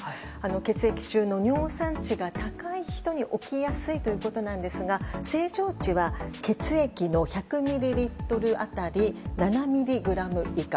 血液中の尿酸値が高い人に起きやすいということなんですが正常値は血液１００ミリリットル当たり７ｍｇ以下。